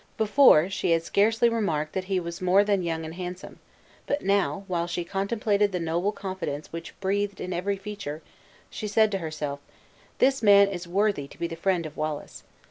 Before she had scarcely remarked that he was more than young and handsome; but now, while she contemplated the noble confidence which breathed in every feature, she said to herself: "This man is worthy to be the friend of Wallace!